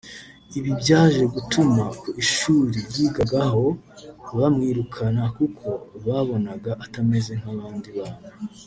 ibi byaje gutuma ku ishuri yigagaho bamwirukana kuko babonaga atameze kabandi bana